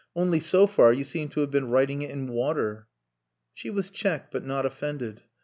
"Only, so far you seem to have been writing it in water...." She was checked but not offended.